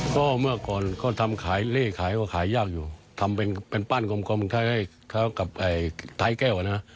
ก็เมื่อก่อนเขาทำขายเล่ขายก็ขายยากอยู่ทำเป็นปั้นกลมคล้ายกับท้ายแก้วนะ